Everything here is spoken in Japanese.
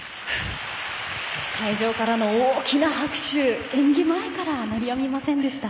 会場からの大きな拍手演技前から鳴りやみませんでした。